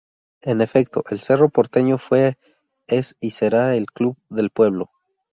En efecto, el Cerro Porteño fue, es y será el ""Club del Pueblo"".